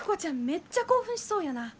めっちゃ興奮しそうやな。